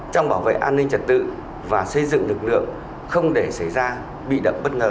trong bảo vệ an ninh trật tự và xây dựng lực lượng không để xảy ra bị động bất ngờ